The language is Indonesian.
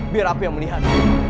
biar aku yang melihat